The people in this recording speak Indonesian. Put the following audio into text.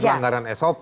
bukan pelanggaran sop